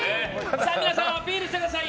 皆さんアピールしてください！